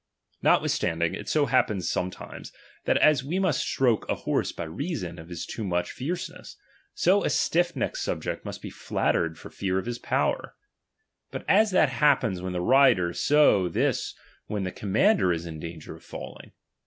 Notwithstanding, it so happens sometimes, that as we must stroke a horse by reason of his too much fierceness, so a stiff necked subject must be flat tered for fear of his power ; but as that happens when the rider, so this when the commander is in danger of falling.